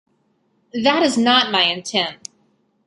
That is not my intent.